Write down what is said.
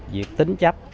việc tính chấp